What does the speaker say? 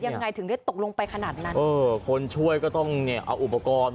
ยังไงถึงได้ตกลงไปขนาดนั้นเออคนช่วยก็ต้องเนี่ยเอาอุปกรณ์